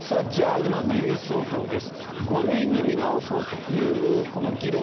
今、２類相当です。